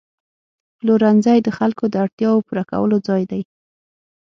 پلورنځی د خلکو د اړتیاوو پوره کولو ځای دی.